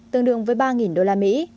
tương đương với ba đô la mỹ